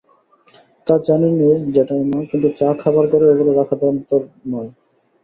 তা জানি নে জেঠাইমা, কিন্তু চা খাবার ঘরে ওগুলো রাখা দস্তুর নয়।